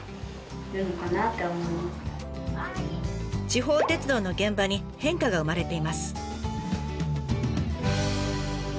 地方鉄道の現場に変化が生まれています。